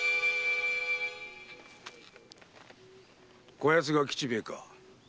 こやつが吉兵衛か。